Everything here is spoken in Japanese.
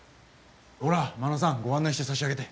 ほら真野さんご案内して差し上げて。